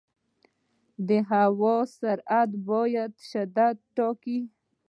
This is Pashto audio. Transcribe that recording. د هوا سرعت د باد شدت ټاکي.